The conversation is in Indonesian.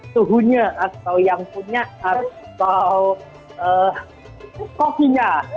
tuhunya atau yang punya atau kokinya